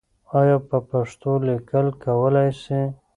آیا په پښتو لیکل کولای سې؟